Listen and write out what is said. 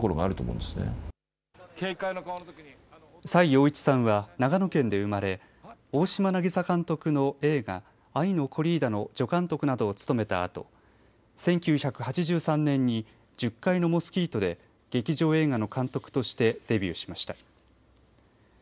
崔洋一さんは長野県で生まれ大島渚監督の映画「愛のコリーダ」の助監督などを務めたあと１９８３年に「十階のモスキート」で劇場映画の監督としてデビューしました。